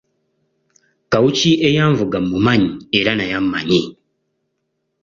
Kawuki eyanvuga mmumanyi era naye ammanyi.